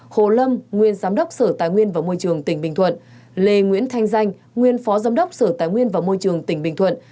hai hồ lâm nguyên giám đốc sở tài nguyên và môi trường tỉnh bình thuận lê nguyễn thanh danh nguyên phó giám đốc sở tài nguyên và môi trường tỉnh bình thuận